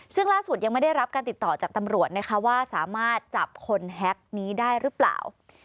ซึ่งล่าสุดยังไม่ได้รับการติดต่อจากตำรวจนะคะว่าสามารถจับคนแฮ็กนี้ได้หรือเปล่า